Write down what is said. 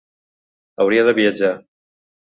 Hauria de viatjar.